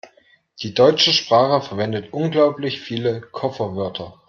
Die deutsche Sprache verwendet unglaublich viele Kofferwörter.